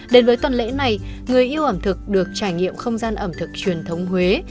đến với tuần lễ này người yêu ẩm thực được trải nghiệm không gian ẩm thực truyền thống huế